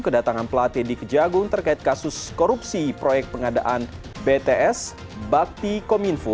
kedatangan pelatih di kejagung terkait kasus korupsi proyek pengadaan bts bakti kominfo